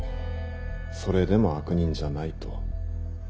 それでも悪人じゃないと？